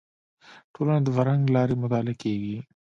ټولنه د فرهنګ له لارې مطالعه کیږي